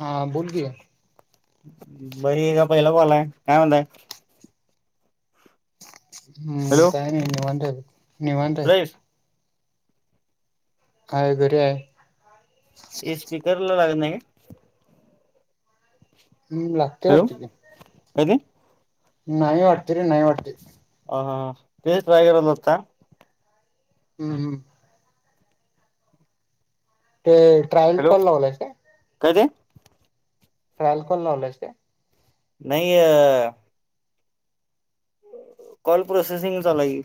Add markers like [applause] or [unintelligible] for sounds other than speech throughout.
हा बोल की बरी आहे का पहिला बॉलाय काय म्हणताय हम्म हॅलो का नाही निव अट नव अटे सुरेश हय घर आहे स्पीकर लागत नाही हु्ला हॅलो काेत नाहीय वाटत र नाहीय वाटत अ हा तेशट रायगर नत हम् हम् ते ट्रायल हॅलो कॉल लावलायच काय ते. रालकल नवल असते नाही अ कॉल प्रोसेसिंग चालाय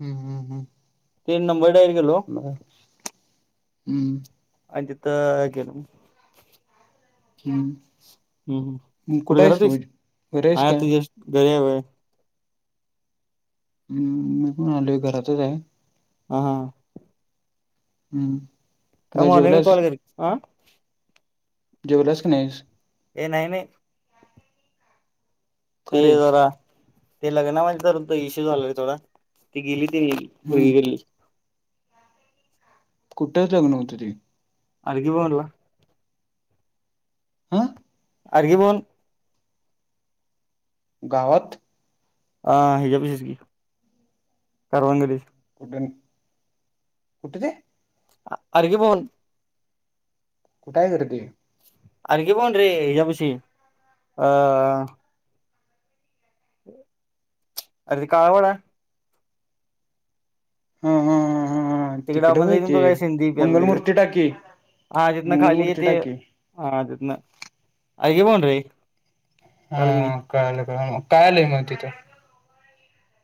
हम्म हम हम्म तीन नंबरडार गेो म हम्म अज तर गेलं म हम् हम्म हम्म कुढे घरातस बरी आहेस आ का तुझ्या घरी [unintelligible] हम्म मी पण आलोय घरातच आहे [unintelligible] हम्म. काय जेवलास [unintelligible] जेवलास की नाहीस. ये नाही नाही. ते का रे जरा ते लग्नामध्येणे तर इश्यू झाला रे थोडा ती गेली हम्म तरी [unintelligible] कुठंच लग्न होतं ते. [unintelligible] हा. [unintelligible] गावात. हा हज पचगी करवन गेलीची. कुठन कुठचे? अर्ग पवन. तू काय करतोय. अर्गी बन र्रीजबशी अ [unintelligible] अरे त काळावडा हा हा हा हा हा. तिकडे आपण होय जाईन ते तो काय सिंधी प्याला तिकडे मंगलमूर्ती टाकी हा तिथनं खाली मंगलमूर्ती येते टाकी हा आत ना अऐग बन्री कालगनी. कळायलं कळाय म कायलंय मग तिथं.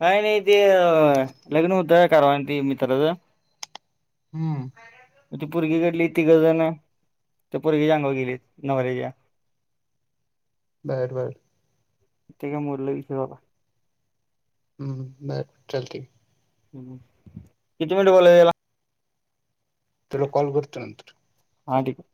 काय नाही ते लग्न मुद्दा करवा त मित्रचा हम्म. म्हण ती परगी घडली तिघं जण ते परगी जगा गेली नवऱ्याच्या. बर बर. त्याये मूल्य विषय [unintelligible] हम्म हम्म बर चलते. किती मिनिट बोल याला. तुला कॉल करतो नंतर. हां ठिक.